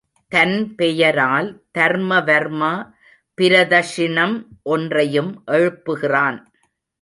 தன் பெயரால் தர்மவர்மா பிரதக்ஷிணம் ஒன்றையும் எழுப்புகிறான்.